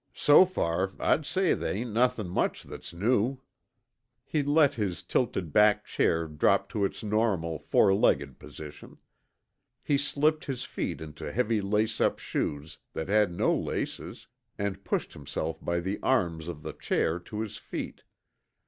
So far, I'd say they hain't nothin' much that's new." He let his tilted back chair drop to its normal four legged position. He slipped his feet into heavy lace up shoes that had no laces, and pushed himself by the arms of the chair to his feet.